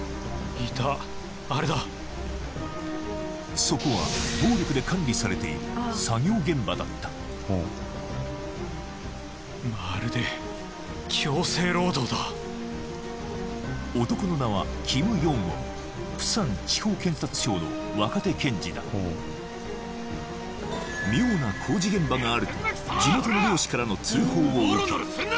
いたあれだそこは暴力で管理されている作業現場だったまるで強制労働だ男の名はキム・ヨンウォン釜山地方検察庁の若手検事だ妙な工事現場があると地元の猟師からの通報を受け